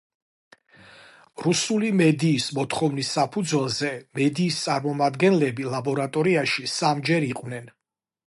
რუსული მედიის მოთხოვნის საფუძველზე, მედიის წარმომადგენლები ლაბორატორიაში სამჯერ იყვნენ.